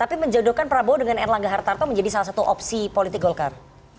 tapi menjodohkan prabowo dengan erlangga hartarto menjadi salah satu opsi politik golkar